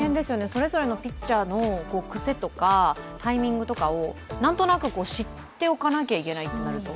それぞれのピッチャーの癖とかタイミングとかを、何となく知っておかなきゃいけないとなると。